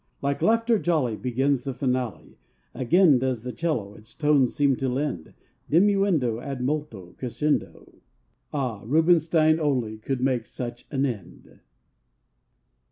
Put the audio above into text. Like laughter jolly Begins the finale; Again does the 'cello its tones seem to lend Diminuendo ad molto crescendo. Ah! Rubinstein only could make such an end!